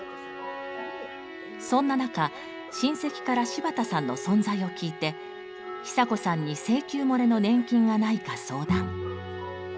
そんな中親戚から柴田さんの存在を聞いてひさこさんに請求もれの年金がないか相談。